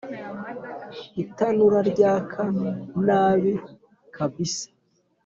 itanura ryaka nabi. kabisa